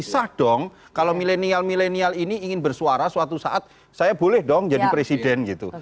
bisa dong kalau milenial milenial ini ingin bersuara suatu saat saya boleh dong jadi presiden gitu